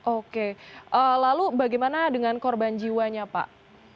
oke lalu bagaimana dengan korban jiwanya pak